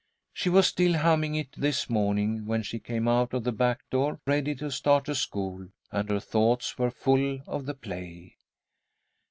She was still humming it this morning when she came out of the back door, ready to start to school, and her thoughts were full of the play.